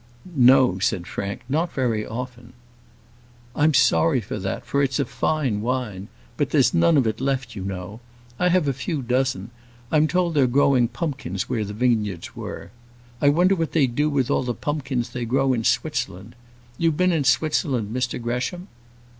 "No," said Frank, "not very often." "I'm sorry for that, for it's a fine wine; but then there's none of it left, you know. I have a few dozen, I'm told they're growing pumpkins where the vineyards were. I wonder what they do with all the pumpkins they grow in Switzerland! You've been in Switzerland, Mr Gresham?"